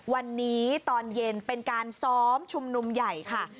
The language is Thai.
วันนี้ตอนเย็นเป็นการซ้อมชุมนุมใหญ่ค่ะ